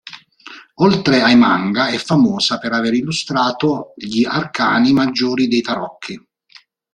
Oltre ai manga, è famosa per aver illustrato gli arcani maggiori dei tarocchi.